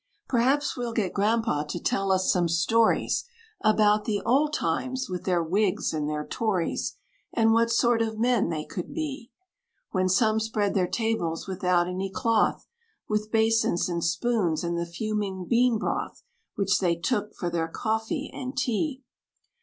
"Perhaps we'll get Grandpa' to tell us some stories About the old times, with their Whigs and their Tories; And what sort of men they could be; When some spread their tables without any cloth, With basins and spoons, and the fuming bean broth, Which they took for their coffee and tea.